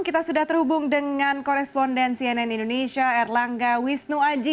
kita sudah terhubung dengan koresponden cnn indonesia erlangga wisnu aji